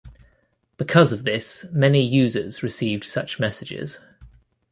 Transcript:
Because of this, many users received such messages.